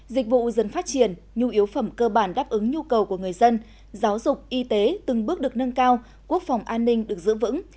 dịch vụ dần phát triển nhu yếu phẩm cơ bản đáp ứng nhu cầu của người dân giáo dục y tế từng bước được nâng cao quốc phòng an ninh được giữ vững